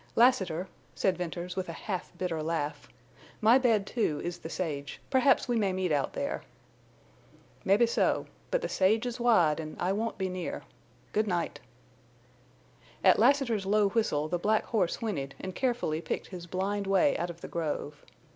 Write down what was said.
"Lassiter," said Venters, with a half bitter laugh, "my bed too, is the sage. Perhaps we may meet out there." "Mebbe so. But the sage is wide an' I won't be near. Good night." At Lassiter's low whistle the black horse whinnied, and carefully picked his blind way out of the grove.